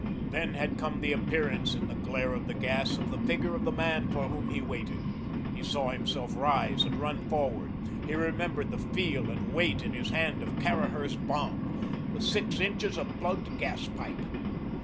Then had come the appearance in the glare of the gas of the figure of the man for whom he waited. He saw himself rise and run forward. He remembered the feel and weight in his hand of Caraher's bomb the six inches of plugged gas pipe.